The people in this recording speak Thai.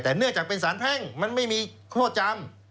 แต่เนื่องจากเป็นสารแพ่งมันไม่มีโทษจำ